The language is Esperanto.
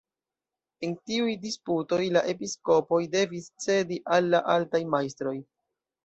En tiuj disputoj la episkopoj devis cedi al la altaj majstroj.